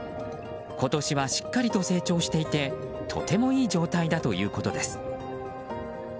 今年はしっかりと成長していてとてもいい状態だということです。